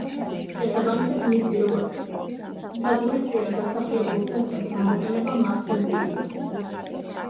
შესაბამისად მისი, როგორც საზღვრისპირა დასახლებულ პუნქტად გამოყენება მართებულია.